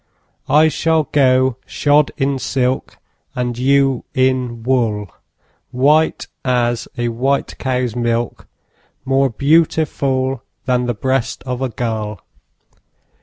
I shall go shod in silk, And you in wool, White as a white cow's milk, More beautiful Than the breast of a gull.